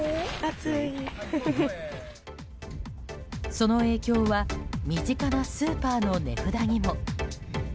その影響は身近なスーパーの値札にも。